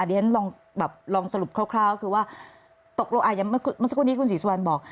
เดี๋ยวลองสรุปคร่าวคือว่าตกลงอายุเมื่อสักวันนี้คุณศรีสวรรค์บอก